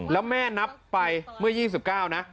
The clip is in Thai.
แล้วแม่นับไปเมื่อ๒๙นะ